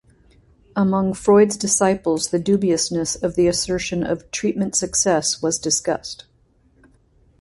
Among Freud's disciples the dubiousness of the assertion of "treatment success" was discussed.